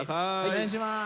お願いします。